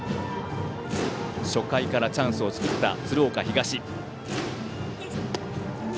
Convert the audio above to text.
初回からチャンスを作った鶴岡東。